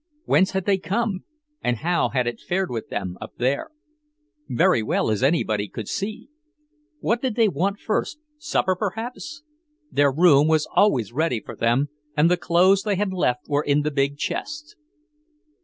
Whence had they come, and how had it fared with them, up there? Very well, as anybody could see. What did they want first, supper, perhaps? Their room was always ready for them; and the clothes they had left were in the big chest.